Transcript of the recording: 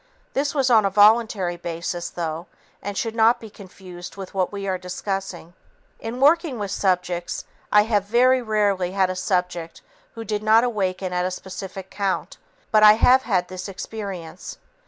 This was on a voluntary basis, though, and should not be confused with what we are discussing. In working with subjects, I have very rarely had a subject who did not awaken at a specific count, but I have had this experience.